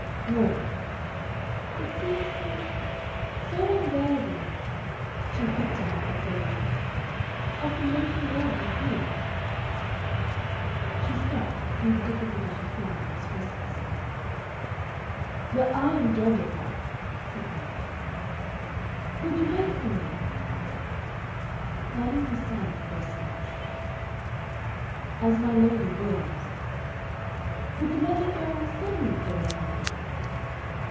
"No." "It seems so so unworthy" she picked among her phrases "of the noble love you give " She stopped, through the difficulty she found in expressing herself. "But I am judge of that," said Manning. "Would you wait for me?" Manning was silent for a space. "As my lady wills." "Would you let me go on studying for a time?"